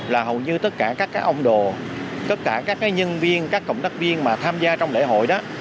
là hầu như tất cả các ông đồ tất cả các nhân viên các cộng tác viên mà tham gia trong lễ hội đó